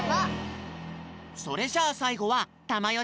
それじゃあさいごはたまよ